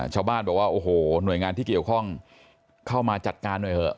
ชาวบ้านบอกว่าโอ้โหหน่วยงานที่เกี่ยวข้องเข้ามาจัดการหน่อยเถอะ